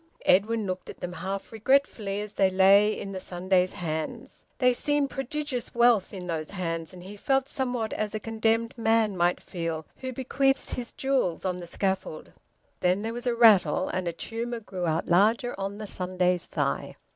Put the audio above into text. Edwin looked at them half regretfully as they lay in the Sunday's hands. They seemed prodigious wealth in those hands, and he felt somewhat as a condemned man might feel who bequeaths his jewels on the scaffold. Then there was a rattle, and a tumour grew out larger on the Sunday's thigh.